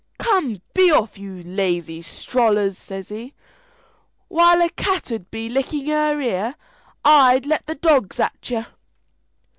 "Come, be off, you lazy strollers!" says he, "while a cat 'ud be licking her ear, or I'll let the dogs at you."